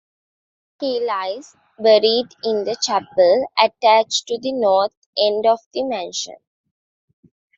He lies buried in the chapel attached to the north end of the mansion.